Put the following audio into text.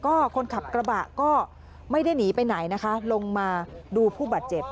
ก็คนขับกระบะก็ไม่ได้หนีไปไหนนะคะลงมาดูผู้บาดเจ็บ